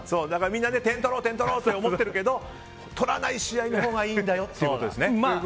みんな点取ろうと思ってるけど取らない試合のほうがいいんだよということですね。